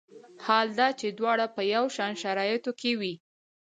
حال دا چې دواړه په یو شان شرایطو کې وي.